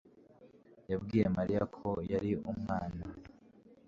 yabwiye mariya ko yari umwana